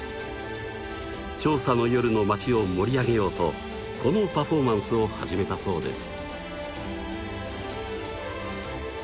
長沙の夜の街を盛り上げようとこのパフォーマンスを始めたそうです。